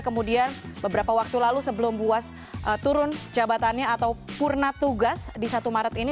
kemudian beberapa waktu lalu sebelum buas turun jabatannya atau purna tugas di satu maret ini